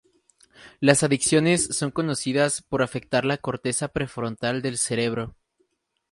Las adicciones son conocidas por afectar la corteza prefrontal del cerebro.